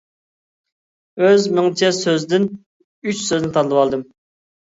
ئۆز مىڭچە سۆزدىن ئۈچ سۆزنى تىلىۋالدىم.